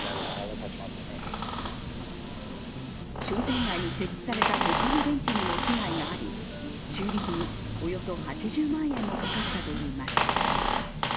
商店街に設置された他のベンチにも被害があり修理費におよそ８０万円もかかったといいます。